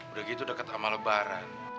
udah gitu udah ketama lebaran